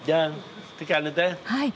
はい。